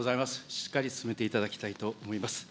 しっかり進めていただきたいと思います。